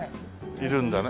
いるんだね。